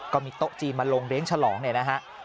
ก็มีโต๊ะจีนมาลงเลี้ยงฉลองเนี่ยนะฮะ